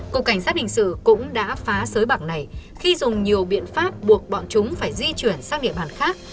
cục cảnh sát hình sự cũng đã phá sới bạc này khi dùng nhiều biện pháp buộc bọn chúng phải di chuyển sang địa bàn khác